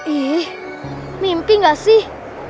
ih mimpi gak sih